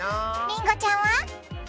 りんごちゃんは？